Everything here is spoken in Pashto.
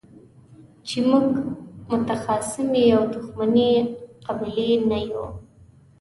چې موږ متخاصمې او دښمنې قبيلې نه يو.